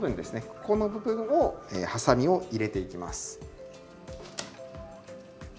ここの部分をハサミを入れていきます。